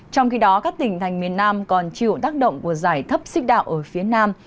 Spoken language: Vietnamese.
trong khi đó các tỉnh thành miền nam còn chịu tác động của giải thấp xích đạo ở phía nam